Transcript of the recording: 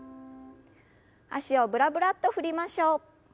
脚をブラブラッと振りましょう。